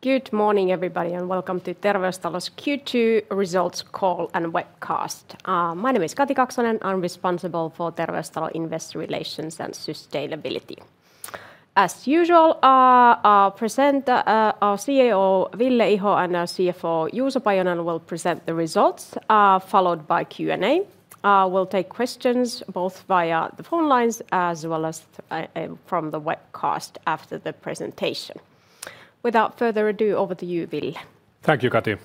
Good morning, everybody, and welcome to Terveystalo's Q2 results call and webcast. My name is Kati Kaksonen. I'm responsible for Terveystalo Investor Relations and Sustainability. As usual, I'll present our CEO, Ville Iho, and our CFO, Juuso Pajunen, will present the results, followed by Q&A. We'll take questions both via the phone lines as well as from the webcast after the presentation. Without further ado, over to you, Ville. Thank you, Kati.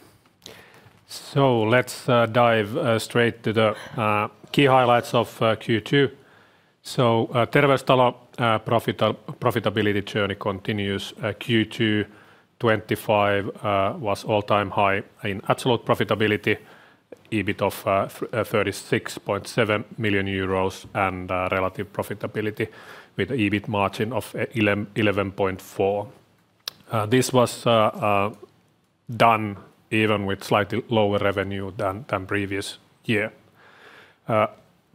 Let's dive straight to the key highlights of Q2. Terveystalo's profitability journey continues. Q2 2025 was an all-time high in absolute profitability, EBIT of 36.7 million euros, and relative profitability with an EBIT margin of 11.4%. This was done even with slightly lower revenue than the previous year.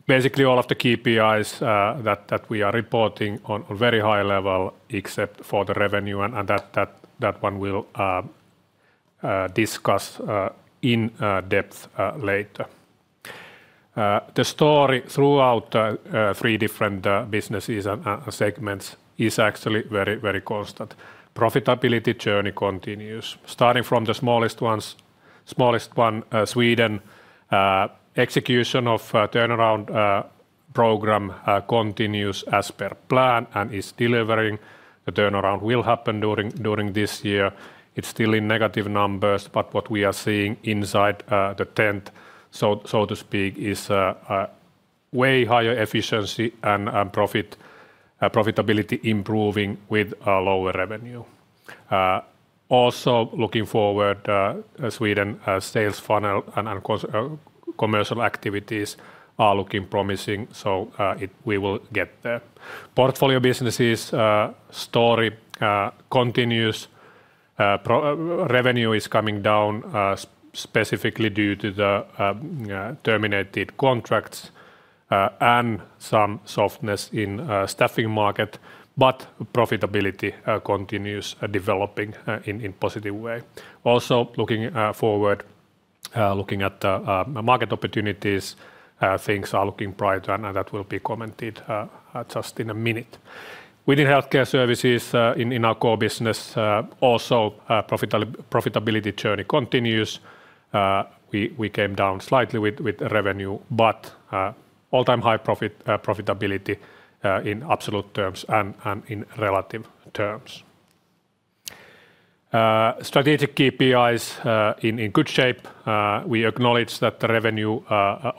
Basically, all of the KPIs that we are reporting are on a very high level, except for the revenue, and that one we'll discuss in depth later. The story throughout the three different businesses and segments is actually very, very constant. Profitability journey continues, starting from the smallest one, Sweden. Execution of the turnaround program continues as per plan and is delivering. The turnaround will happen during this year. It's still in negative numbers, but what we are seeing inside the tent, so to speak, is way higher efficiency and profitability improving with lower revenue. Also, looking forward, Sweden's sales funnel and commercial activities are looking promising, so we will get there. Portfolio Businesses' story continues. Revenue is coming down, specifically due to the terminated contracts and some softness in the staffing market, but profitability continues developing in a positive way. Also, looking forward, looking at the market opportunities, things are looking brighter, and that will be commented just in a minute. Within Healthcare Services, in our core business, also the profitability journey continues. We came down slightly with revenue, but all-time high profitability in absolute terms and in relative terms. Strategic KPIs in good shape. We acknowledge that the revenue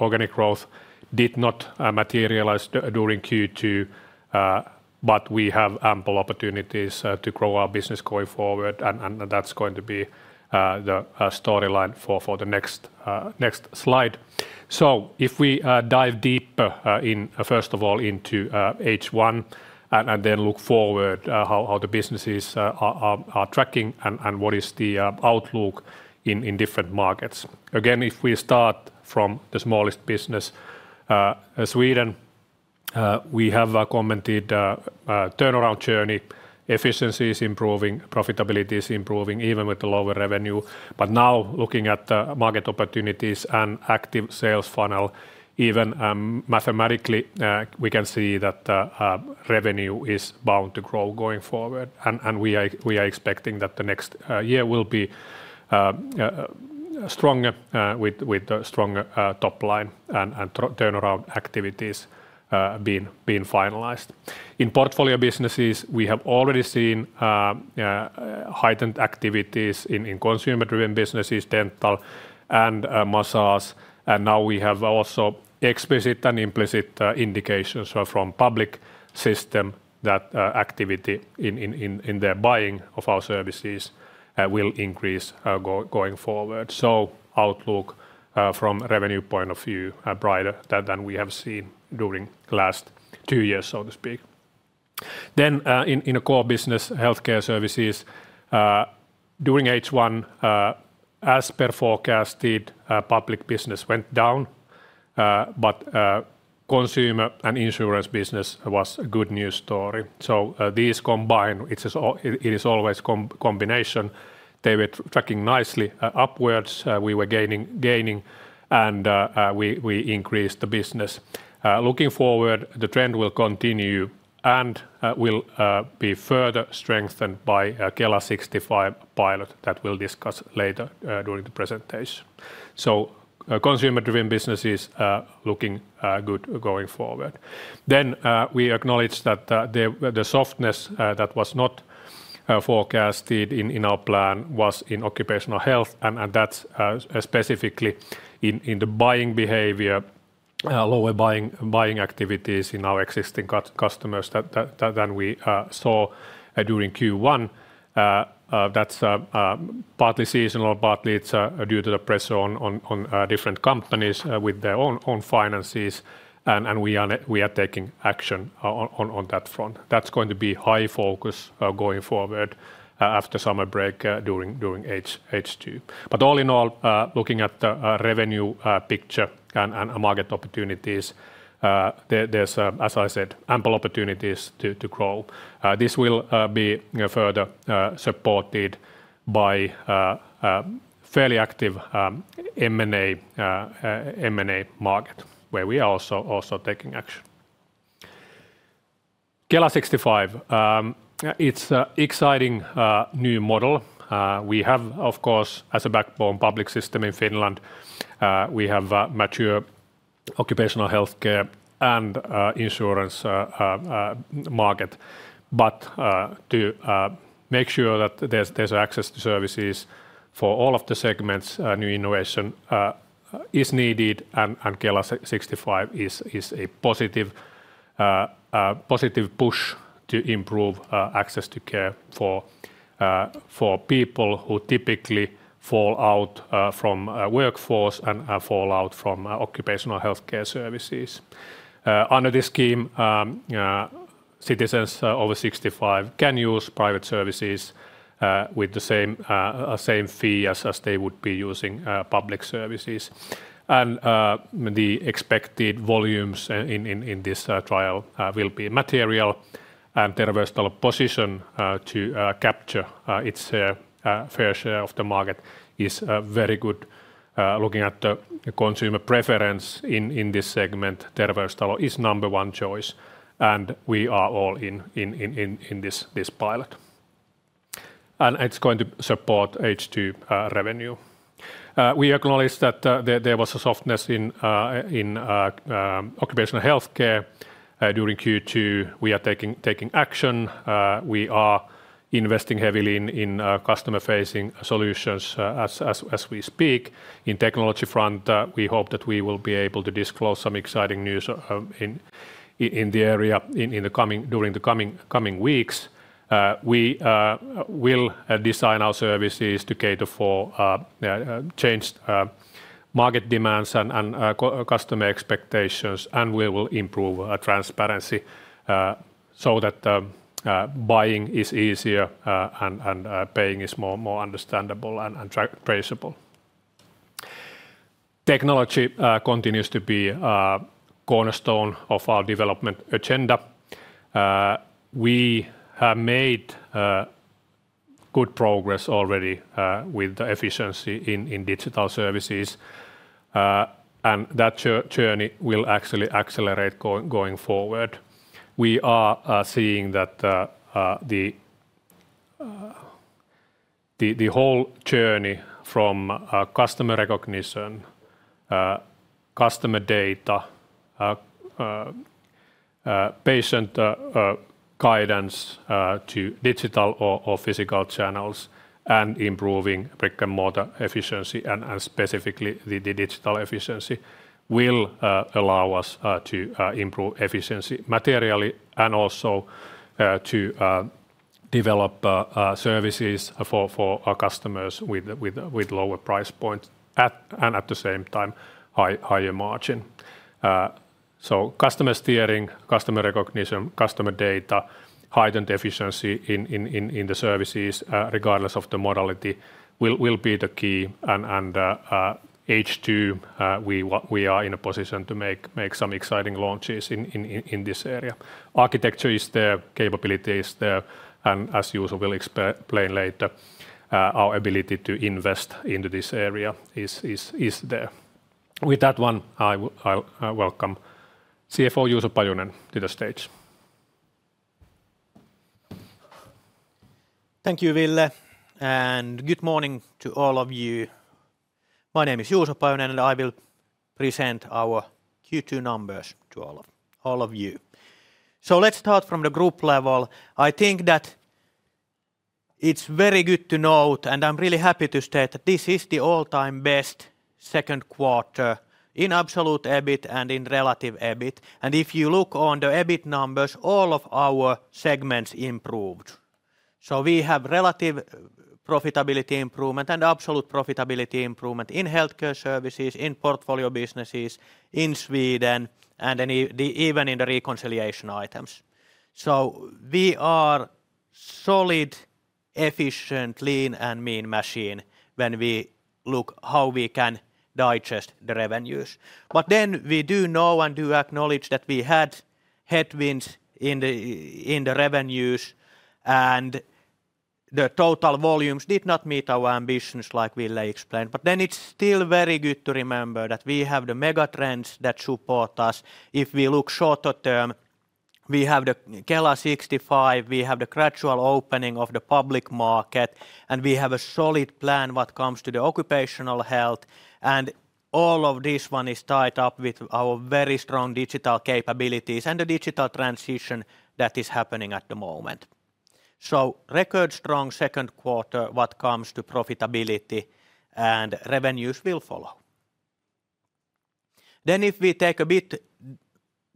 organic growth did not materialize during Q2, but we have ample opportunities to grow our business going forward, and that's going to be the storyline for the next slide. If we dive deeper, first of all, into H1 and then look forward, how the businesses are tracking and what is the outlook in different markets. Again, if we start from the smallest business, Sweden, we have commented the turnaround journey. Efficiency is improving, profitability is improving, even with the lower revenue. Now, looking at the market opportunities and active sales funnel, even mathematically, we can see that revenue is bound to grow going forward, and we are expecting that the next year will be stronger with a strong top line and turnaround activities being finalized. In Portfolio Businesses, we have already seen heightened activities in consumer-driven businesses, dental and massage, and now we have also explicit and implicit indications from the public system that activity in their buying of our services will increase going forward. The outlook from a revenue point of view is brighter than we have seen during the last two years, so to speak. In the core business, Healthcare Services, during H1, as per forecasted, public business went down, but consumer and insurance business was a good news story. These combined, it is always a combination. They were tracking nicely upwards. We were gaining, and we increased the business. Looking forward, the trend will continue and will be further strengthened by the Kela 65 pilot that we'll discuss later during the presentation. Consumer-driven businesses are looking good going forward. We acknowledge that the softness that was not forecasted in our plan was in Occupational Health, and that's specifically in the buying behavior, lower buying activities in our existing customers than we saw during Q1. That is partly seasonal, partly due to the pressure on different companies with their own finances, and we are taking action on that front. That is going to be a high focus going forward after summer break during H2. All in all, looking at the revenue picture and market opportunities, there are, as I said, ample opportunities to grow. This will be further supported by a fairly active M&A market where we are also taking action. Kela 65, it's an exciting new model. We have, of course, as a backbone public system in Finland, a mature occupational healthcare and insurance market. To make sure that there's access to services for all of the segments, new innovation is needed, and Kela 65 is a positive push to improve access to care for people who typically fall out from the workforce and fall out from Occupational Healthcare Services. Under this scheme, citizens over 65 can use private services with the same fee as they would be using public services. The expected volumes in this trial will be material, and Terveystalo's position to capture its fair share of the market is very good. Looking at the consumer preference in this segment, Terveystalo is the number one choice, and we are all in this pilot. It is going to support H2 revenue. We acknowledge that there was a softness in occupational healthcare during Q2. We are taking action. We are investing heavily in customer-facing solutions as we speak. On the technology front, we hope that we will be able to disclose some exciting news in the area during the coming weeks. We will design our services to cater for changed market demands and customer expectations, and we will improve transparency so that buying is easier and paying is more understandable and traceable. Technology continues to be a cornerstone of our development agenda. We have made good progress already with the efficiency in Digital Services, and that journey will actually accelerate going forward. We are seeing that the whole journey from customer recognition, customer data, patient guidance to digital or physical channels, and improving brick and mortar efficiency, and specifically the digital efficiency, will allow us to improve efficiency materially and also to develop services for our customers with lower price points and at the same time higher margin. Customer steering, customer recognition, customer data, heightened efficiency in the services, regardless of the modality, will be the key. In H2, we are in a position to make some exciting launches in this area. Architecture is there, capability is there, and as Juuso will explain later, our ability to invest into this area is there. With that, I welcome CFO Juuso Pajunen to the stage. Thank you, Ville, and good morning to all of you. My name is Juuso Pajunen, and I will present our Q2 numbers to all of you. Let's start from the group level. I think that it's very good to note, and I'm really happy to state that this is the all-time best second quarter in absolute EBIT and in relative EBIT. If you look on the EBIT numbers, all of our segments improved. We have relative profitability improvement and absolute profitability improvement in Healthcare Services, in Portfolio Businesses, in Sweden, and even in the reconciliation items. We are solid, efficient, lean, and mean machine when we look at how we can digest the revenues. We do know and do acknowledge that we had headwinds in the revenues, and the total volumes did not meet our ambitions, like Ville explained. It's still very good to remember that we have the megatrends that support us. If we look short-term, we have the Kela 65 pilot program, we have the gradual opening of the public market, and we have a solid plan when it comes to Occupational Health. All of this is tied up with our very strong digital capabilities and the digital transition that is happening at the moment. Record strong second quarter when it comes to profitability, and revenues will follow. If we take a bit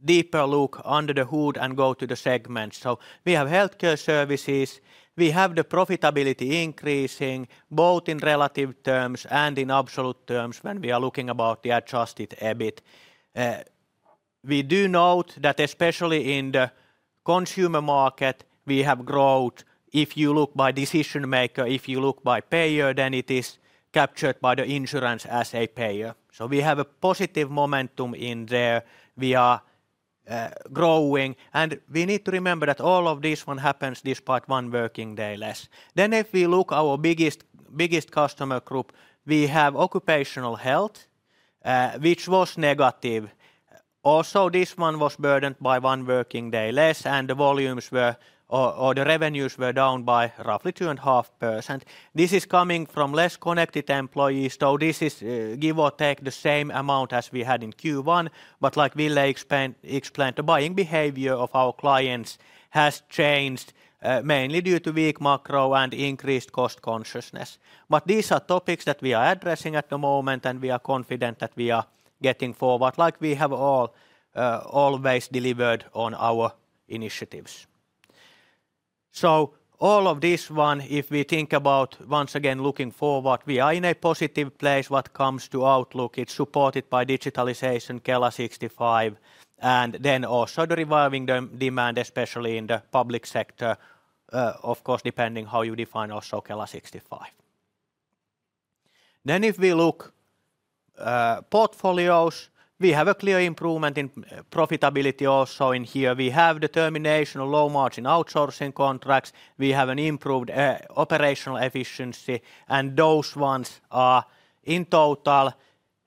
deeper look under the hood and go to the segments, we have Healthcare Services, we have the profitability increasing both in relative terms and in absolute terms when we are looking at the adjusted EBIT. We do note that especially in the consumer market, we have growth. If you look by decision maker, if you look by payer, then it is captured by the insurance as a payer. We have a positive momentum in there. We are growing, and we need to remember that all of this happens despite one working day less. If we look at our biggest customer group, we have Occupational Health, which was negative. Also, this was burdened by one working day less, and the volumes were, or the revenues were down by roughly 2.5%. This is coming from less connected employees, though this is give or take the same amount as we had in Q1. Like Ville explained, the buying behavior of our clients has changed mainly due to weak macro-economic pressures and increased cost consciousness. These are topics that we are addressing at the moment, and we are confident that we are getting forward, like we have always delivered on our initiatives. All of this, if we think about once again looking forward, we are in a positive place when it comes to outlook. It's supported by digitalization, Kela 65, and then also the revolving demand, especially in the public sector, of course, depending on how you define also Kela 65. If we look at portfolios, we have a clear improvement in profitability also in here. We have the termination of low margin outsourcing contracts. We have an improved operational efficiency, and those ones are in total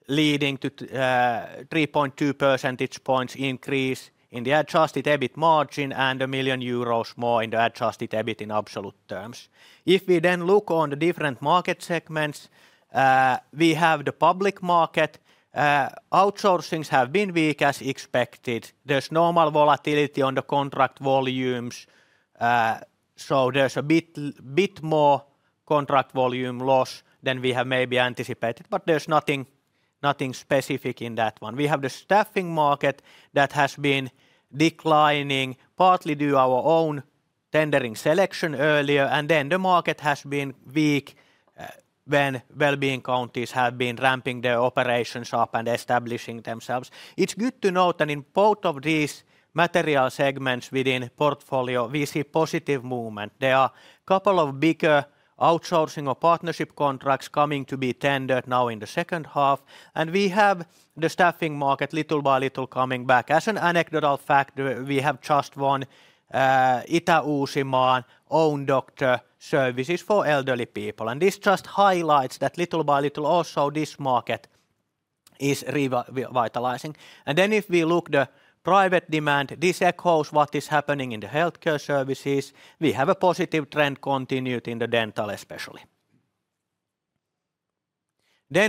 leading to a 3.2 percentage points increase in the adjusted EBIT margin and 1 million euros more in the adjusted EBIT in absolute terms. If we then look at the different market segments, we have the public market. Outsourcings have been weak as expected. There's normal volatility on the contract volumes, so there's a bit more contract volume loss than we have maybe anticipated, but there's nothing specific in that one. We have the staffing market that has been declining, partly due to our own tendering selection earlier, and then the market has been weak when well-being counties have been ramping their operations up and establishing themselves. It's good to note that in both of these material segments within portfolio, we see positive movement. There are a couple of bigger outsourcing or partnership contracts coming to be tendered now in the second half, and we have the staffing market little by little coming back. As an anecdotal fact, we have just won Itä-Uudenmaan Own Doctor services for elderly people, and this just highlights that little by little also this market is revitalizing. If we look at the private demand, this echoes what is happening in the healthcare services. We have a positive trend continued in the dental especially.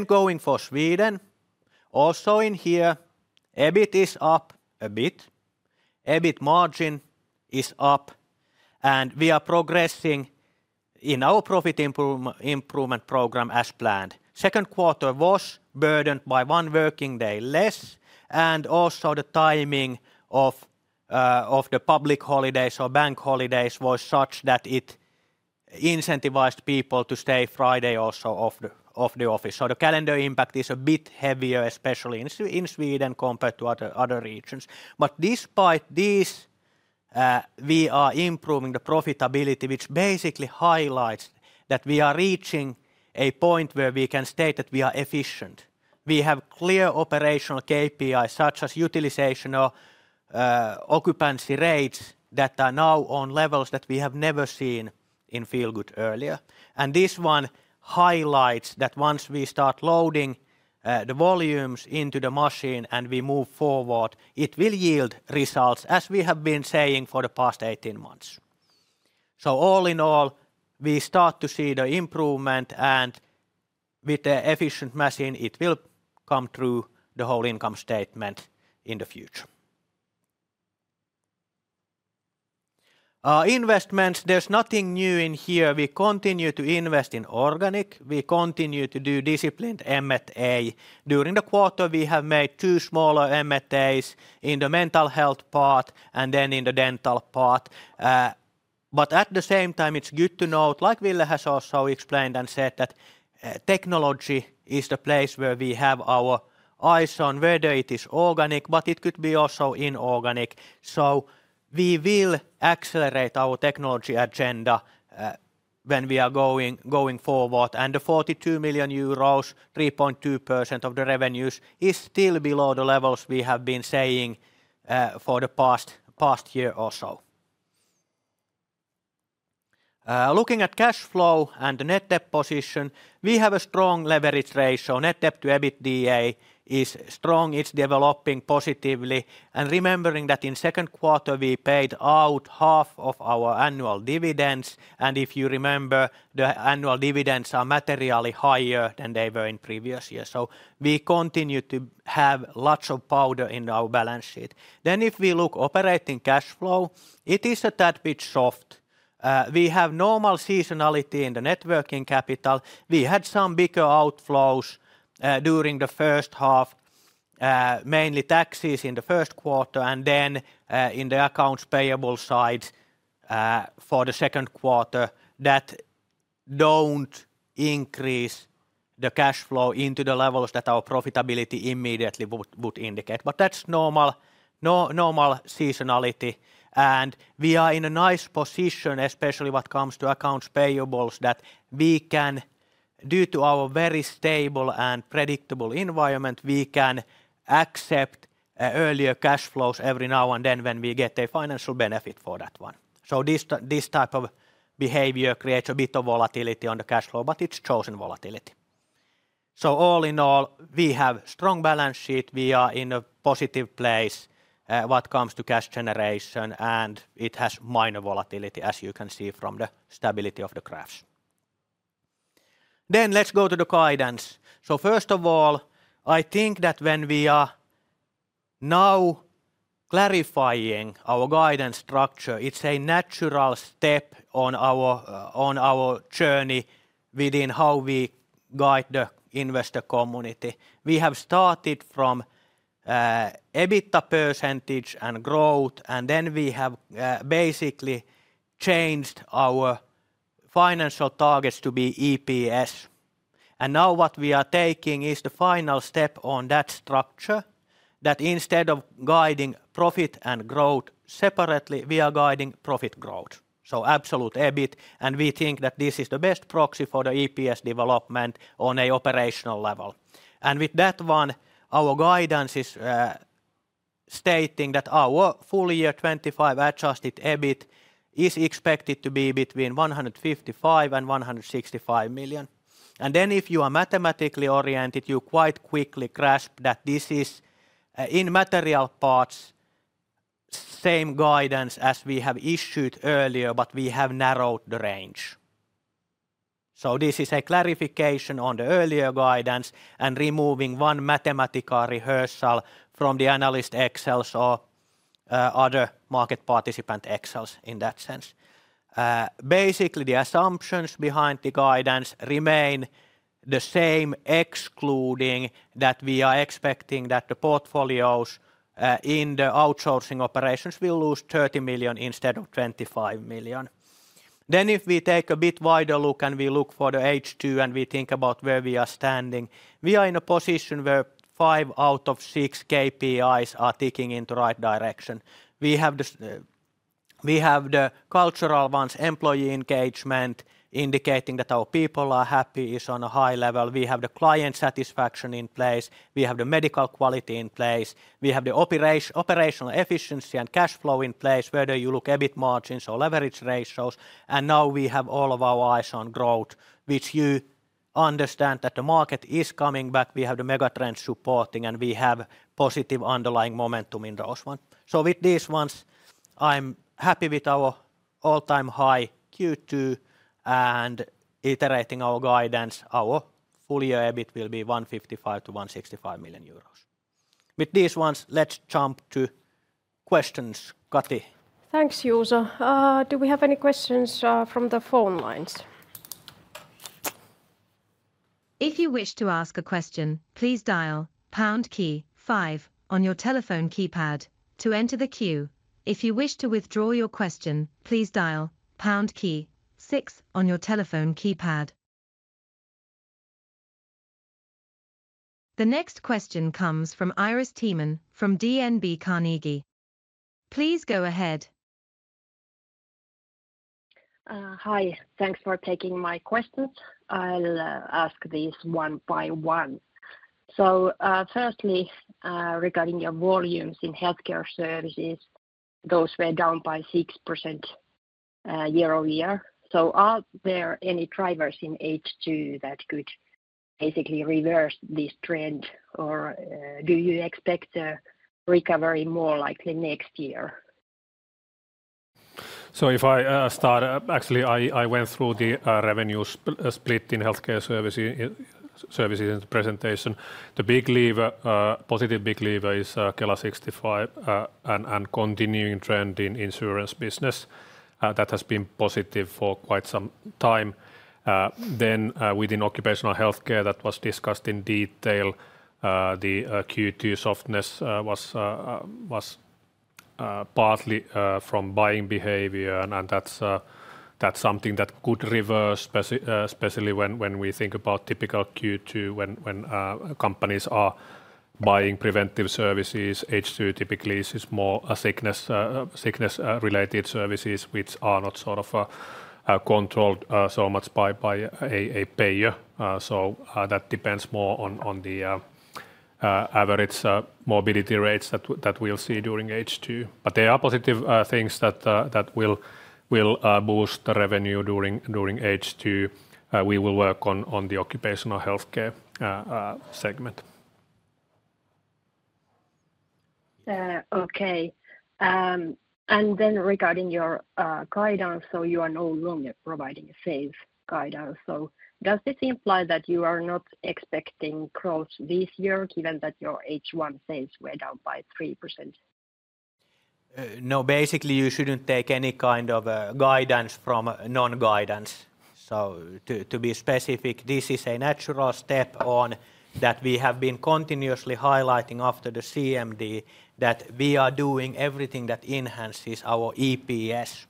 Going for Sweden, also in here, EBIT is up a bit. EBIT margin is up, and we are progressing in our profit improvement program as planned. The second quarter was burdened by one working day less, and also the timing of the public holidays, so bank holidays, was such that it incentivized people to stay Friday also off the office. The calendar impact is a bit heavier, especially in Sweden compared to other regions. Despite this, we are improving the profitability, which basically highlights that we are reaching a point where we can state that we are efficient. We have clear operational KPIs such as utilization or occupancy rates that are now on levels that we have never seen in feel-good earlier. This one highlights that once we start loading the volumes into the machine and we move forward, it will yield results as we have been saying for the past 18 months. All in all, we start to see the improvement, and with the efficient machine, it will come through the whole income statement in the future. Investments, there's nothing new in here. We continue to invest in organic. We continue to do disciplined M&A. During the quarter, we have made two smaller M&As in the mental health part and then in the dental part. At the same time, it's good to note, like Ville has also explained and said, that technology is the place where we have our eyes on whether it is organic, but it could be also inorganic. We will accelerate our technology agenda when we are going forward. The 42 million euros, 3.2% of the revenues, is still below the levels we have been saying for the past year or so. Looking at cash flow and the net debt position, we have a strong leverage ratio. Net debt to EBITDA is strong. It's developing positively. Remembering that in the second quarter, we paid out half of our annual dividends. If you remember, the annual dividends are materially higher than they were in previous years. We continue to have lots of powder in our balance sheet. If we look at operating cash flow, it is a tad bit soft. We have normal seasonality in the net working capital. We had some bigger outflows during the first half, mainly taxes in the first quarter, and then in the accounts payable sides for the second quarter that don't increase the cash flow into the levels that our profitability immediately would indicate. That's normal seasonality. We are in a nice position, especially when it comes to accounts payables, that we can, due to our very stable and predictable environment, accept earlier cash flows every now and then when we get a financial benefit for that one. This type of behavior creates a bit of volatility on the cash flow, but it's chosen volatility. All in all, we have a strong balance sheet. We are in a positive place when it comes to cash generation, and it has minor volatility, as you can see from the stability of the graphs. Let's go to the guidance. First of all, I think that when we are now clarifying our guidance structure, it's a natural step on our journey within how we guide the investor community. We have started from EBITDA percentage and growth, and then we have basically changed our financial targets to be EPS. Now what we are taking is the final step on that structure, that instead of guiding profit and growth separately, we are guiding profit growth. Absolute EBIT, and we think that this is the best proxy for the EPS development on an operational level. With that one, our guidance is stating that our full year 2025 adjusted EBIT is expected to be between 155 million and 165 million. If you are mathematically oriented, you quite quickly grasp that this is in material parts, same guidance as we have issued earlier, but we have narrowed the range. This is a clarification on the earlier guidance and removing one mathematical rehearsal from the analyst Excel or other market participant Excels in that sense. Basically, the assumptions behind the guidance remain the same, excluding that we are expecting that the portfolios in the outsourcing operations will lose 30 million instead of 25 million. If we take a bit wider look and we look for the H2 and we think about where we are standing, we are in a position where five out of six KPIs are ticking in the right direction. We have the cultural ones, employee engagement, indicating that our people are happy is on a high level. We have the client satisfaction in place. We have the medical quality in place. We have the operational efficiency and cash flow in place, whether you look at EBIT margins or leverage ratios. Now we have all of our eyes on growth, which you understand that the market is coming back. We have the megatrends supporting, and we have positive underlying momentum in those ones. With these ones, I'm happy with our all-time high Q2 and iterating our guidance. Our full year EBIT will be 155 million to 165 million euros. With these ones, let's jump to questions, Kati. Thanks, Juuso. Do we have any questions from the phone lines? If you wish to ask a question, please dial pound key five on your telephone keypad to enter the queue. If you wish to withdraw your question, please dial pound key six on your telephone keypad. The next question comes from Iris Tiemann from DNB Carnegie. Please go ahead. Hi. Thanks for taking my questions. I'll ask these one by one. Firstly, regarding your volumes in Healthcare Services, those went down by 6% year-over-year. Are there any drivers in H2 that could basically reverse this trend, or do you expect a recovery more likely next year? I went through the revenue split in Healthcare Services in the presentation. The big lever, positive big lever, is Kela 65 and continuing trend in the insurance business. That has been positive for quite some time. Within Occupational Healthcare, that was discussed in detail. The Q2 softness was partly from buying behavior, and that's something that could reverse, especially when we think about typical Q2, when companies are buying preventive services. H2 typically is more sickness-related services, which are not sort of controlled so much by a payer. That depends more on the average morbidity rates that we'll see during H2. There are positive things that will boost the revenue during H2. We will work on the Occupational Healthcare segment. Okay. Regarding your guidance, you are no longer providing a sales guidance. Does this imply that you are not expecting growth this year, given that your H1 sales went down by 3%? No, basically, you shouldn't take any kind of guidance from non-guidance. To be specific, this is a natural step that we have been continuously highlighting after the CMD that we are doing everything that enhances our EPS.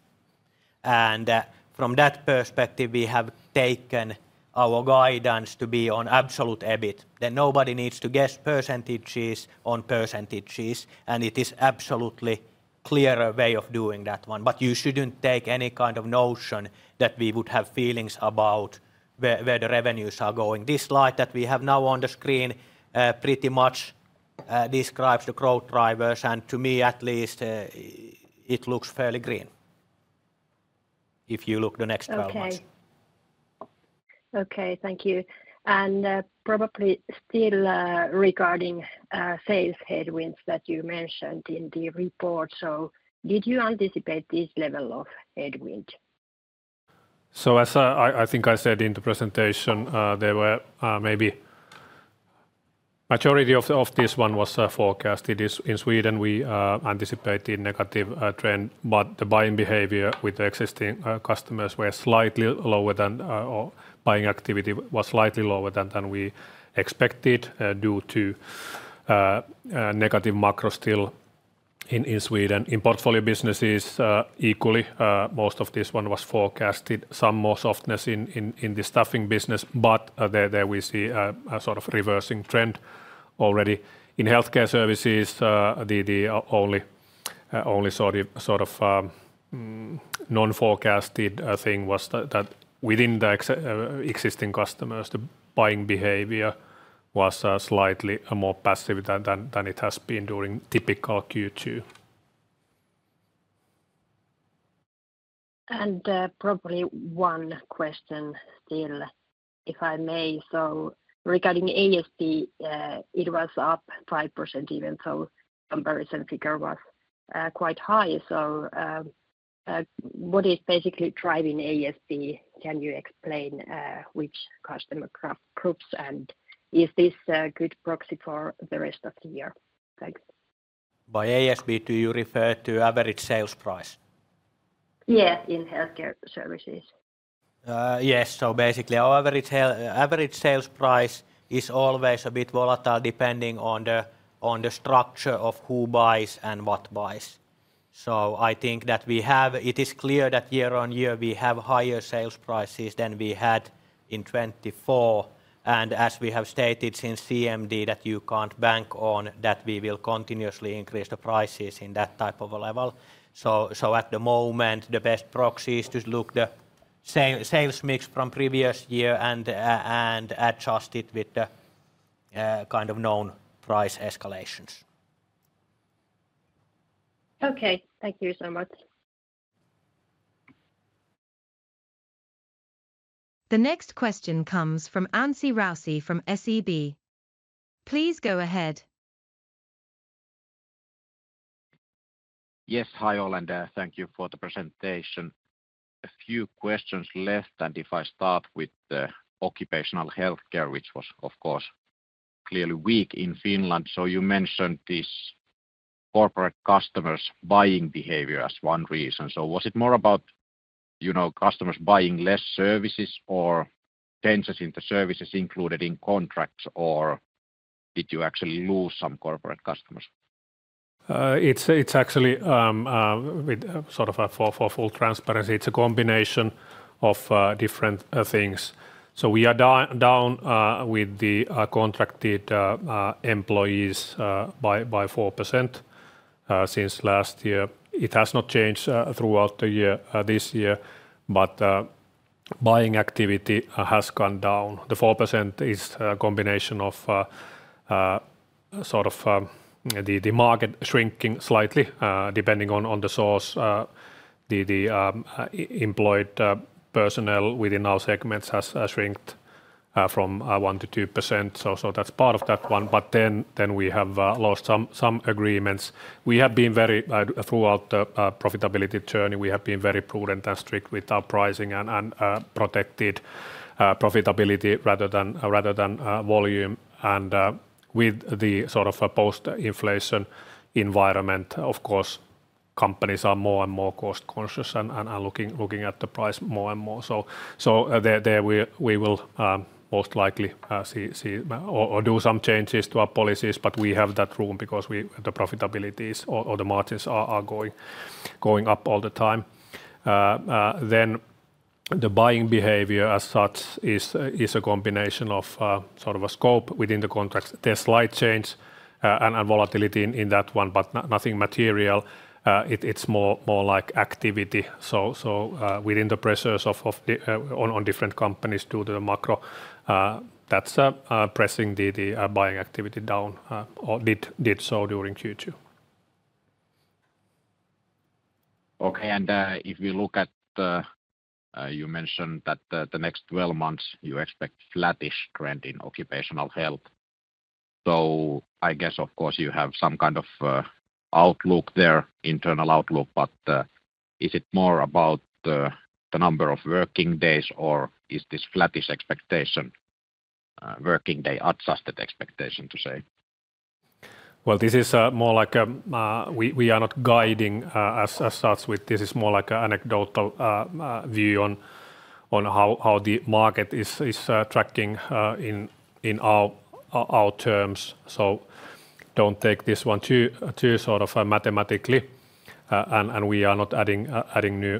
From that perspective, we have taken our guidance to be on absolute EBIT. Nobody needs to guess percentages on percentages, and it is an absolutely clear way of doing that one. You shouldn't take any kind of notion that we would have feelings about where the revenues are going. This slide that we have now on the screen pretty much describes the growth drivers, and to me, at least, it looks fairly green if you look at the next graph. Okay, thank you. Probably still regarding sales headwinds that you mentioned in the report, did you anticipate this level of headwind? As I think I said in the presentation, maybe a majority of this one was forecast. In Sweden, we anticipated a negative trend, but the buying behavior with the existing customers was slightly lower or buying activity was slightly lower than we expected due to negative macro still in Sweden. In Portfolio Businesses, equally, most of this one was forecasted. Some more softness in the staffing business, but there we see a sort of reversing trend already. In Healthcare Services, the only sort of non-forecasted thing was that within the existing customers, the buying behavior was slightly more passive than it has been during typical Q2. have probably one question still, if I may. Regarding ASP, it was up 5% even though the comparison figure was quite high. What is basically driving ASP? Can you explain which customer groups, and is this a good proxy for the rest of the year? By ASP, do you refer to average sales price? Yes, in Healthcare Services. Yes. Basically, our average sales price is always a bit volatile depending on the structure of who buys and what buys. I think that it is clear that year on year, we have higher sales prices than we had in 2024. As we have stated since CMD, you can't bank on that we will continuously increase the prices in that type of a level. At the moment, the best proxy is to look at the same sales mix from the previous year and adjust it with the kind of known price escalations. Okay, thank you so much. The next question comes from Anssi Rausi from SEB. Please go ahead. Yes, hi all, and thank you for the presentation. A few questions left, and if I start with the Occupational Healthcare, which was, of course, clearly weak in Finland. You mentioned this corporate customers' buying behavior as one reason. Was it more about customers buying less services or changes in the services included in contracts, or did you actually lose some corporate customers? It's actually, for full transparency, a combination of different things. We are down with the contracted employees by 4% since last year. It has not changed throughout the year this year, but buying activity has gone down. The 4% is a combination of the market shrinking slightly depending on the source. The employed personnel within our segments has shrunk from 1% to 2%. That's part of that one. We have lost some agreements. Throughout the profitability journey, we have been very prudent and strict with our pricing and protected profitability rather than volume. With the post-inflation environment, companies are more and more cost-conscious and looking at the price more and more. We will most likely see or do some changes to our policies, but we have that room because the profitabilities or the margins are going up all the time. The buying behavior as such is a combination of a scope within the contracts. There's slight change and volatility in that one, but nothing material. It's more like activity. Within the pressures on different companies due to the macro, that's pressing the buying activity down or did so during Q2. Okay. If we look at the, you mentioned that the next 12 months you expect a flattish trend in Occupational Health. I guess, of course, you have some kind of outlook there, internal outlook, but is it more about the number of working days, or is this flattish expectation, working day adjusted expectation to say? This is more like a, we are not guiding as such. This is more like an anecdotal view on how the market is tracking in our terms. Do not take this one too sort of mathematically. We are not adding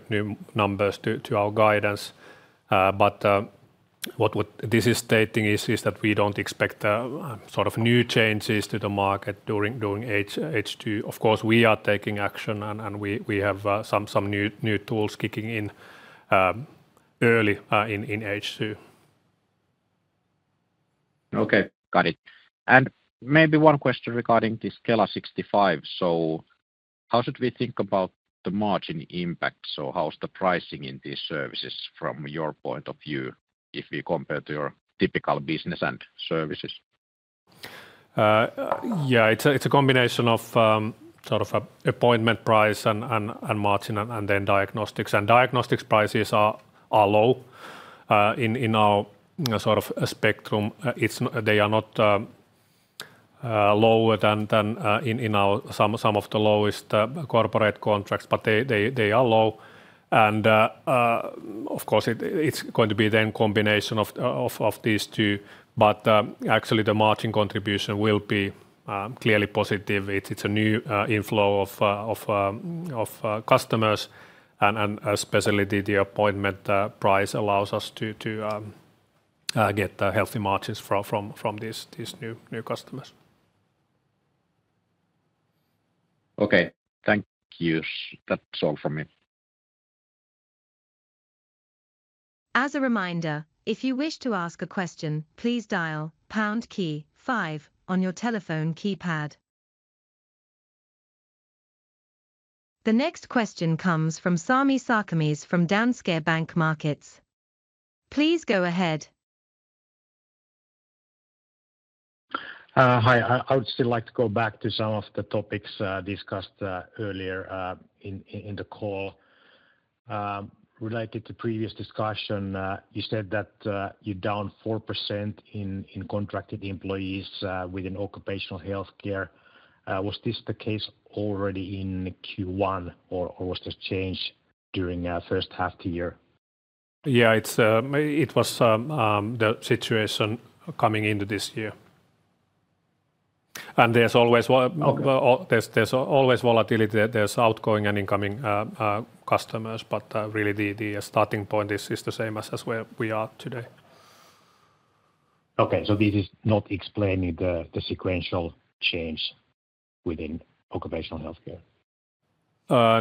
new numbers to our guidance. What this is stating is that we do not expect sort of new changes to the market during H2. Of course, we are taking action, and we have some new tools kicking in early in H2. Okay. Got it. Maybe one question regarding this Kela 65. How should we think about the margin impact? How is the pricing in these services from your point of view if we compare to your typical business and services? Yeah, it's a combination of sort of appointment price and margin, and then diagnostics. Diagnostics prices are low in our sort of spectrum. They are not lower than in some of the lowest corporate contracts, but they are low. Of course, it's going to be then a combination of these two. Actually, the margin contribution will be clearly positive. It's a new inflow of customers, and especially the appointment price allows us to get healthy margins from these new customers. Okay, thank you. That's all from me. As a reminder, if you wish to ask a question, please dial the pound key five on your telephone keypad. The next question comes from Sami Sarkamies from Danske Bank Markets. Please go ahead. Hi. I would still like to go back to some of the topics discussed earlier in the call. Related to the previous discussion, you said that you're down 4% in contracted employees within Occupational Healthcare. Was this the case already in Q1, or was this change during the first half of the year? Yeah, it was the situation coming into this year. There's always volatility. There's outgoing and incoming customers, but really, the starting point is the same as where we are today. Okay. This is not explaining the sequential change within Occupational Healthcare?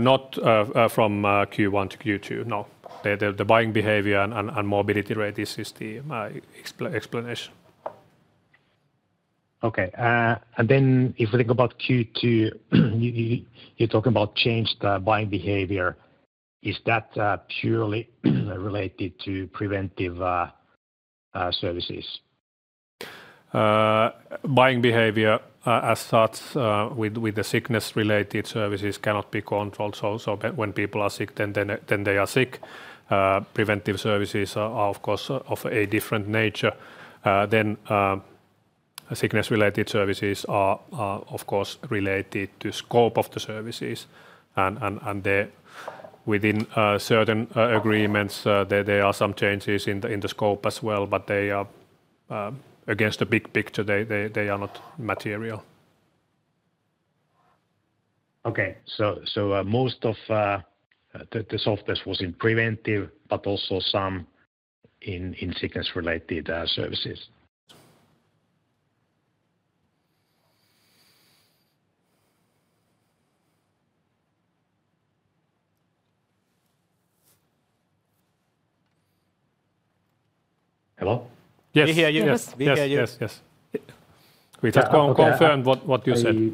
Not from Q1 to Q2. No, the buying behavior and morbidity rate is the explanation. Okay. If we think about Q2, you're talking about changed buying behavior. Is that purely related to preventive services? Buying behavior as such, with the sickness-related services, cannot be controlled. When people are sick, then they are sick. Preventive services are, of course, of a different nature. Sickness-related services are, of course, related to the scope of the services. Within certain agreements, there are some changes in the scope as well, but against the big picture, they are not material. Most of the softness was in preventive, but also some in sickness-related services. Hello? Yes. We hear you. Yes. We hear you. Yes, yes. Great. We just confirmed what you said.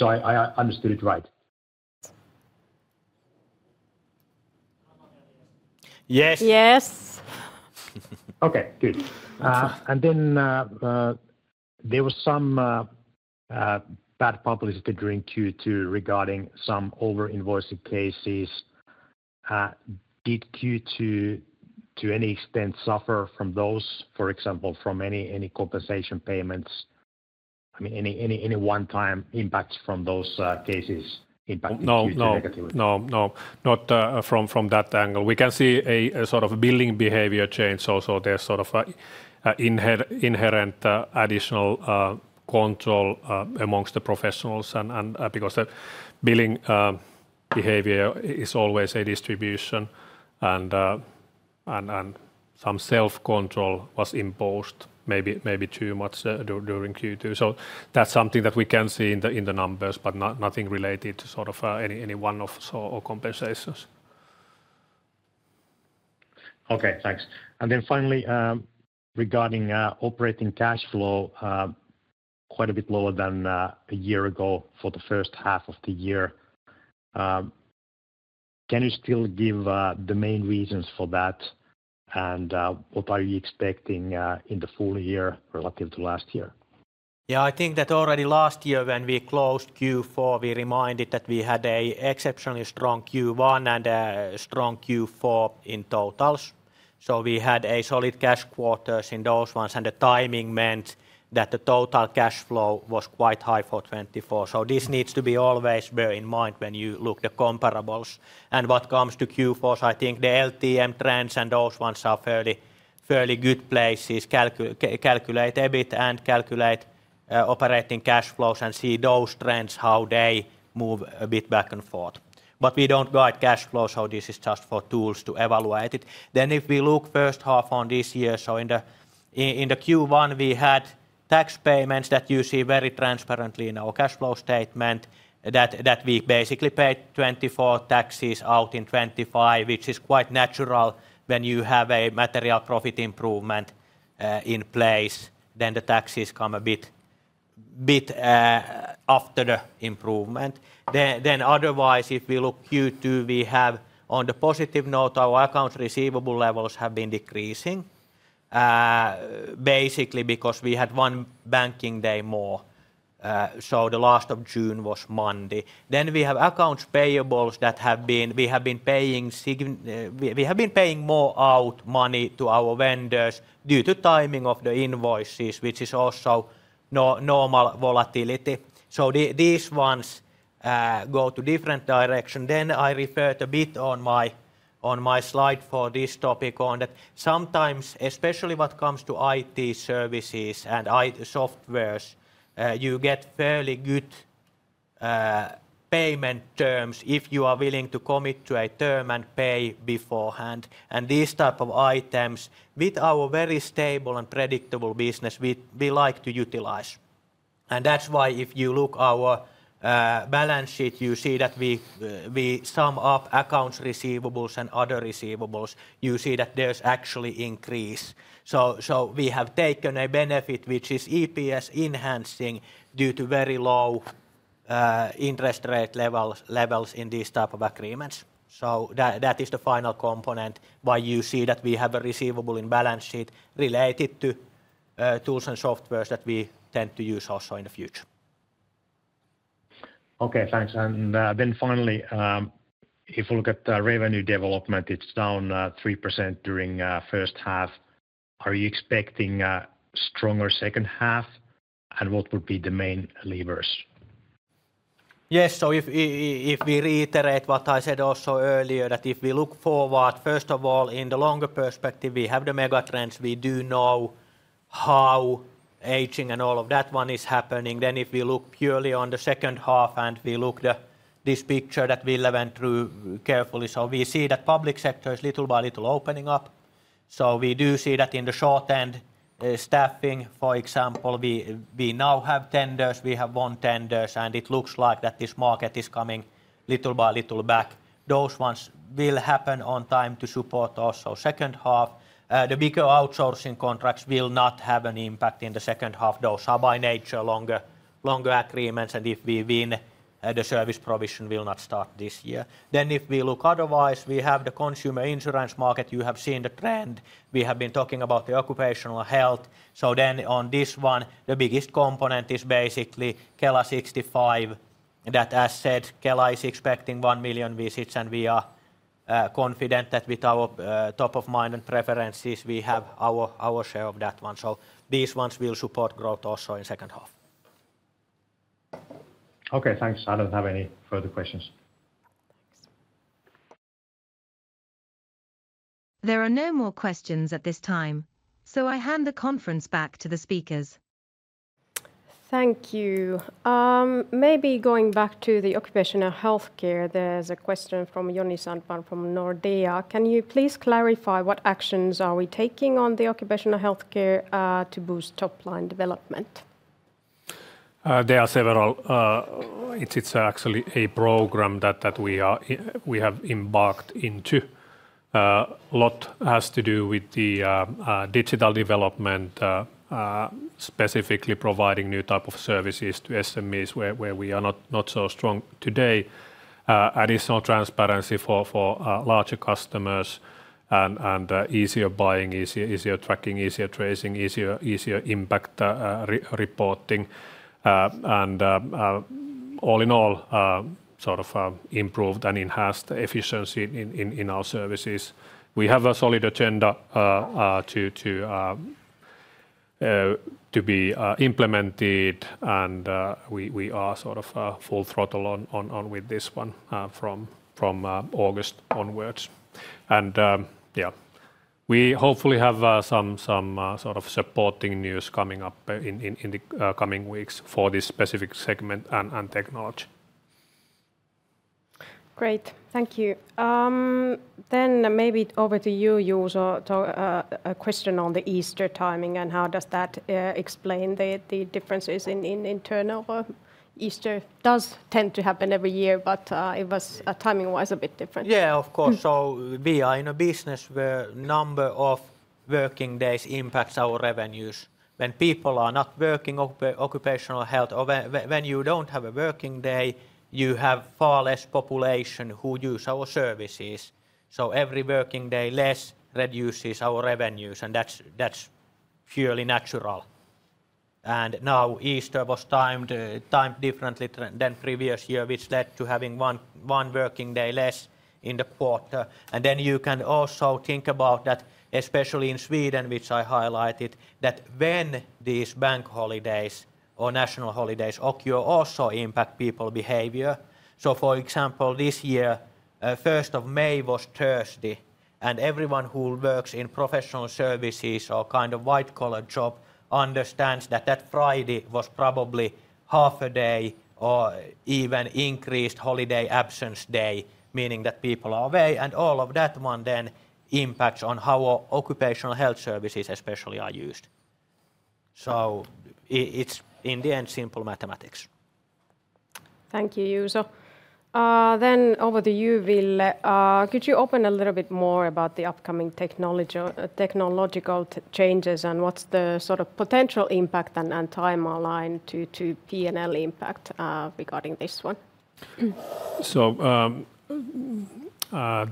I understood it right. Yes. Yes. Okay. Good. There was some bad publicity during Q2 regarding some over-invoiced cases. Did Q2, to any extent, suffer from those, for example, from any compensation payments? Any one-time impacts from those cases impact negatively? No, not from that angle. We can see a sort of billing behavior change. There is sort of an inherent additional control amongst the professionals because the billing behavior is always a distribution. Some self-control was imposed, maybe too much during Q2. That is something that we can see in the numbers, but nothing related to any one of compensations. Okay. Thanks. Finally, regarding operating cash flow, quite a bit lower than a year ago for the first half of the year. Can you still give the main reasons for that, and what are you expecting in the full year relative to last year? Yeah, I think that already last year, when we closed Q4, we reminded that we had an exceptionally strong Q1 and a strong Q4 in totals. We had solid cash quotas in those ones, and the timing meant that the total cash flow was quite high for 2024. This needs to be always in mind when you look at the comparables. What comes to Q4s, I think the LTM trends and those ones are fairly good places. Calculate EBIT and calculate operating cash flows and see those trends, how they move a bit back and forth. We don't guide cash flows, so this is just for tools to evaluate it. If we look at the first half of this year, in Q1, we had tax payments that you see very transparently in our cash flow statement that we basically paid 2024 taxes out in 2025, which is quite natural when you have a material profit improvement in place. The taxes come a bit after the improvement. Otherwise, if we look at Q2, on the positive note, our accounts receivable levels have been decreasing, basically because we had one banking day more. The last of June was Monday. We have accounts payables that have been, we have been paying more out money to our vendors due to the timing of the invoices, which is also normal volatility. These ones go to different directions. I referred a bit on my slide for this topic on that sometimes, especially when it comes to IT services and softwares, you get fairly good payment terms if you are willing to commit to a term and pay beforehand. These types of items, with our very stable and predictable business, we like to utilize. That's why if you look at our balance sheet, you see that we sum up accounts receivables and other receivables. You see that there's actually an increase. We have taken a benefit, which is EPS enhancing due to very low interest rate levels in these types of agreements. That is the final component why you see that we have a receivable in balance sheet related to tools and softwares that we tend to use also in the future. Okay, thanks. Finally, if we look at the revenue development, it's down 3% during the first half. Are you expecting a stronger second half, and what would be the main levers? Yes. If we reiterate what I said also earlier, that if we look forward, first of all, in the longer perspective, we have the megatrends. We do know how aging and all of that one is happening. If we look purely on the second half and we look at this picture that Ville went through carefully, we see that the public sector is little by little opening up. We do see that in the short end, staffing, for example, we now have tenders. We have won tenders, and it looks like that this market is coming little by little back. Those ones will happen on time to support also the second half. The bigger outsourcing contracts will not have an impact in the second half, though. By nature, longer agreements, and if we win, the service provision will not start this year. If we look otherwise, we have the consumer insurance market. You have seen the trend. We have been talking about the Occupational Health. On this one, the biggest component is basically Kela 65. That, as said, Kela is expecting 1 million visits, and we are confident that with our top-of-mind and preferences, we have our share of that one. These ones will support growth also in the second half. Okay, thanks. I don't have any further questions. There are no more questions at this time. I hand the conference back to the speakers. Thank you. Maybe going back to the Occupational Healthcare, there's a question from Joni Sandvall from Nordea. Can you please clarify what actions are we taking on the Occupational Healthcare to boost top-line development? There are several. It's actually a program that we have embarked into. A lot has to do with the digital development, specifically providing new types of services to SMEs where we are not so strong today. Additional transparency for larger customers and easier buying, easier tracking, easier tracing, easier impact reporting. All in all, sort of improved and enhanced efficiency in our services. We have a solid agenda to be implemented, and we are sort of full throttle on with this one from August onwards. We hopefully have some sort of supporting news coming up in the coming weeks for this specific segment and technology. Great. Thank you. Maybe over to you, Juuso, a question on the Easter timing, and how does that explain the differences in internal? Easter does tend to happen every year, but it was timing-wise a bit different. Yeah, of course. We are in a business where the number of working days impacts our revenues. When people are not working in Occupational Health or when you don't have a working day, you have far less population who use our services. Every working day less reduces our revenues, and that's purely natural. Easter was timed differently than the previous year, which led to having one working day less in the quarter. You can also think about that, especially in Sweden, which I highlighted, that when these bank holidays or national holidays occur, they also impact people's behavior. For example, this year, the 1st of May was Thursday, and everyone who works in professional services or kind of white-collar job understands that that Friday was probably half a day or even increased holiday absence day, meaning that people are away. All of that then impacts on how Occupational Health Services especially are used. It's, in the end, simple mathematics. Thank you, Juuso. Over to you, Ville. Could you open a little bit more about the upcoming technological changes and what's the sort of potential impact and time aligned to P&L impact regarding this one?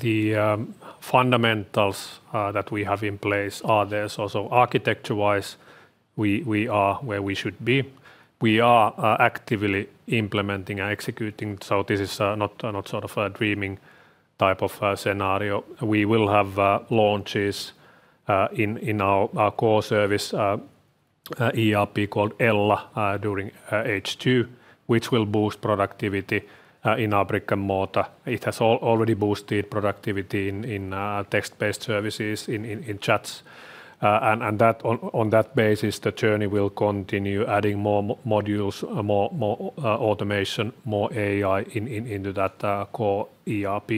The fundamentals that we have in place are there. Architecture-wise, we are where we should be. We are actively implementing and executing. This is not sort of a dreaming type of scenario. We will have launches in our core ERP system called Ella during H2, which will boost productivity in brick and mortar. It has already boosted productivity in text-based services, in chats. On that basis, the journey will continue adding more modules, more automation, more AI into that core ERP.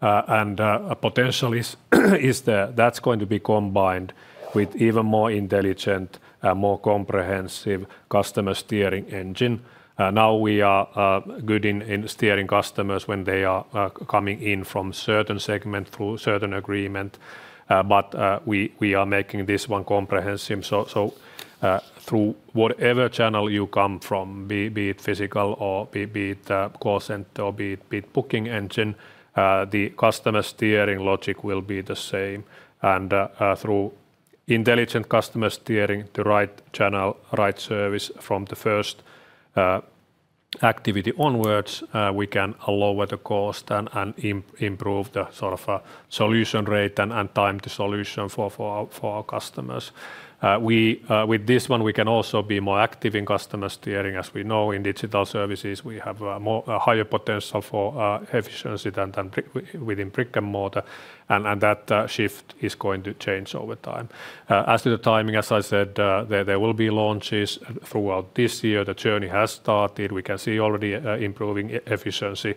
Potentially, that's going to be combined with even more intelligent, more comprehensive customer steering engine. Now we are good in steering customers when they are coming in from certain segments through certain agreements, but we are making this one comprehensive. Through whatever channel you come from, be it physical or be it call center or be it booking engine, the customer steering logic will be the same. Through intelligent customer steering to the right channel, right service from the first activity onwards, we can lower the cost and improve the sort of solution rate and time to solution for our customers. With this one, we can also be more active in customer steering. As we know, in Digital Services, we have a higher potential for efficiency than within brick and mortar. That shift is going to change over time. As to the timing, as I said, there will be launches throughout this year. The journey has started. We can see already improving efficiency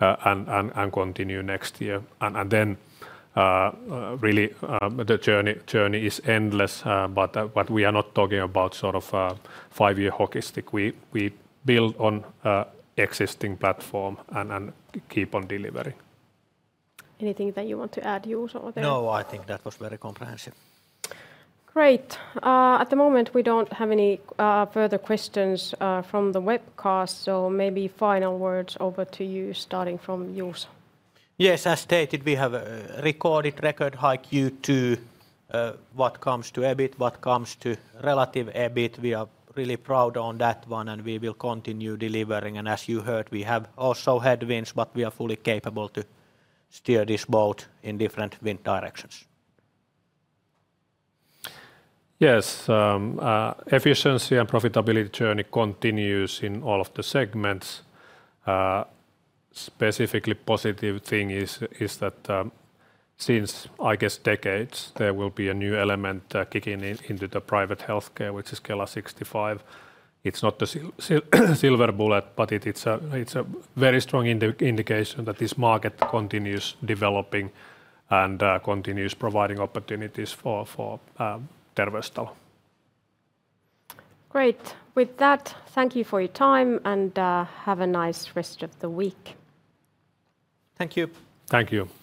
and continue next year. Really, the journey is endless, but we are not talking about sort of five-year hockey stick. We build on an existing platform and keep on delivering. Anything that you want to add, Juuso? No, I think that was very comprehensive. Great. At the moment, we don't have any further questions from the webcast. Maybe final words over to you, starting from Juuso. Yes, as stated, we have recorded record high Q2. What comes to EBIT, what comes to relative EBIT, we are really proud of that one, and we will continue delivering. As you heard, we have also had winds, but we are fully capable to steer this boat in different wind directions. Yes. Efficiency and profitability journey continues in all of the segments. Specifically, the positive thing is that since, I guess, decades, there will be a new element kicking into the private healthcare, which is Kela 65. It's not the silver bullet, but it's a very strong indication that this market continues developing and continues providing opportunities for Terveystalo. Great. With that, thank you for your time and have a nice rest of the week. Thank you. Thank you.